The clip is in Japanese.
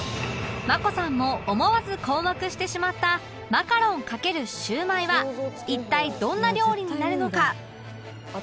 ｍａｋｏ さんも思わず困惑してしまったマカロン掛ける焼売は一体どんな料理になるのか？